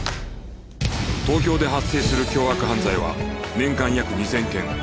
東京で発生する凶悪犯罪は年間約２０００件